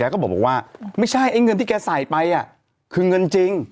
ก็บอกว่าไม่ใช่ไอ้เงินที่แกใส่ไปคือเงินจริง